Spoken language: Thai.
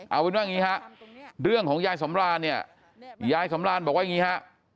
เอาเป็นว่าอย่างนี้ฮะเรื่องของยายสำรานเนี่ยยายสำรานบอกว่าอย่างนี้ฮะ